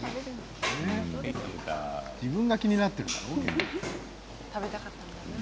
自分が気になっているんだ。